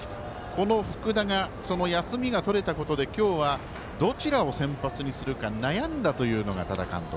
この福田がその休みがとれたことで今日は、どちらを先発にするか悩んだというのが多田監督。